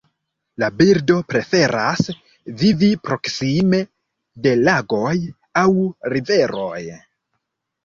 La birdo preferas vivi proksime de lagoj aŭ riveroj.